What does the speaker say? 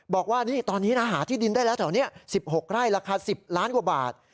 บอกว่านี่ตอนนี้นะหาที่ดินได้แล้วแถวนี้๑๖ไร่ราคา๑๐ล้านกว่าบาท